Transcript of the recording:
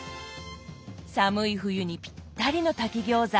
寒い冬にぴったりの炊き餃子。